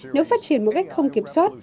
nếu phát triển một cách không kiểm soát